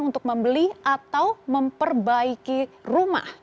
untuk membeli atau memperbaiki rumah